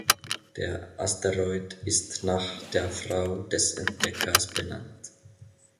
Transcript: Der Asteroid ist nach der Frau des Entdeckers benannt.